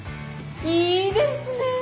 いいですねぇ！